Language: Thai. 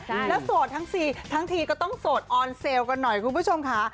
แล้วโสดทั้งสี่ทั้งทีก็ต้องโสดออนเซลล์กันหน่อยคุณผู้ชมค่ะ